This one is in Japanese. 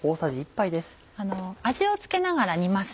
味を付けながら煮ます。